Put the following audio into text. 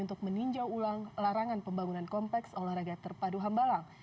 untuk meninjau ulang larangan pembangunan kompleks olahraga terpadu hambalang